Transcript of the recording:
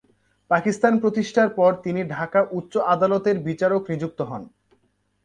পাকিস্তান প্রতিষ্ঠার পর তিনি ঢাকা উচ্চ আদালতের বিচারক নিযুক্ত হন।